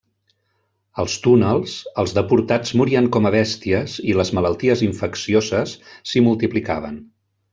Als túnels, els deportats morien com a bèsties i les malalties infeccioses s'hi multiplicaven.